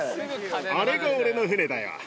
あれが俺の船だよ。